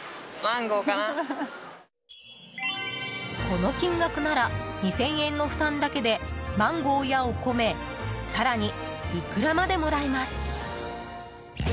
この金額なら２０００円の負担だけでマンゴーやお米更にイクラまでもらえます。